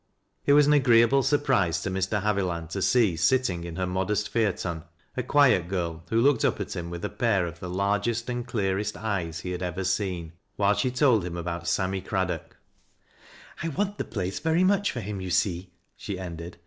It was an agreeable surprise to Mr. Haviland to see sitting in her modest phaeton, a quiet girl who looked up at him with a pair of the largest and clearest eyes he bad ever seen, while she told him about Sammy Craddock, " I want the place very much for him, you see," she ended.